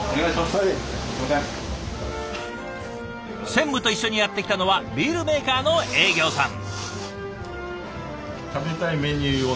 専務と一緒にやって来たのはビールメーカーの営業さん。